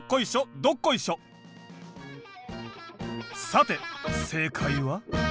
さて正解は？